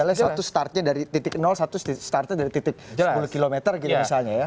misalnya satu startnya dari titik satu startnya dari titik sepuluh km gitu misalnya ya